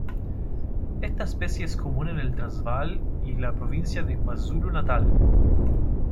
Esta especie es común en el Transvaal y la provincia de KwaZulu-Natal.